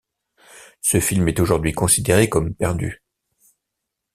Ce film est aujourd'hui considéré comme perdu.